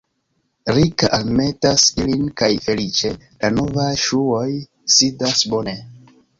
Rika almetas ilin kaj feliĉe la novaj ŝuoj sidas bone.